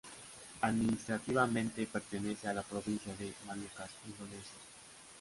Administrativamente pertenece a la provincia de Molucas, Indonesia.